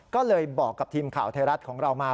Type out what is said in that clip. ก็เลยบอกกับทีมข่าวไทยรัฐของเรามา